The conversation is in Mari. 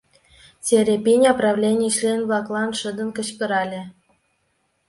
— Серепиня правлений член-влаклан шыдын кычкырале.